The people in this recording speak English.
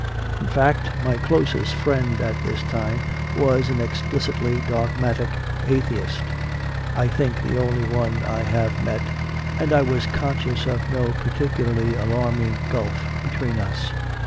In fact, my closest friend at this time was an explicitly dogmatic atheist I think the only one I have met and I was conscious of no particularly alarming gulf between us.